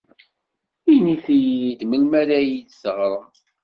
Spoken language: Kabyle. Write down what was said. Init-iyi-d melmi ara iyi-d-teɣrem.